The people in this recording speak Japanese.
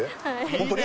ホントに？